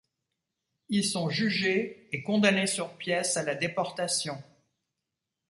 Ils sont jugés et condamnés sur pièce à la déportation.